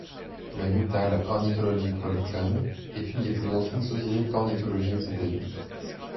Le Nuttall Ornithological Club est une des plus anciennes sociétés d'ornithologie aux États-Unis.